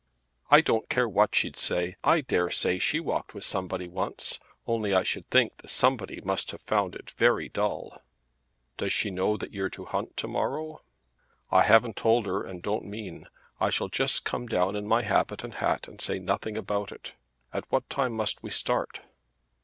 "I don't care what she'd say. I dare say she walked with somebody once; only I should think the somebody must have found it very dull." "Does she know that you're to hunt to morrow?" "I haven't told her and don't mean. I shall just come down in my habit and hat and say nothing about it. At what time must we start?"